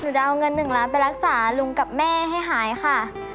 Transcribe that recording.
จะเอาเงิน๑ล้านไปรักษาลุงกับแม่ให้หายค่ะ